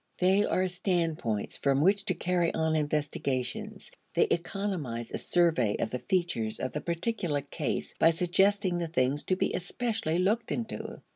They are standpoints from which to carry on investigations; they economize a survey of the features of the particular case by suggesting the things to be especially looked into.